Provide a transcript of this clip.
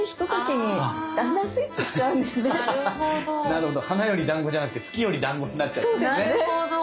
なるほど花よりだんごじゃなくて月よりだんごになっちゃうんですね。